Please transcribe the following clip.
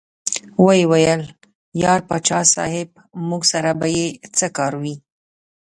ویې ویل: یار پاچا صاحب موږ سره به یې څه کار وي.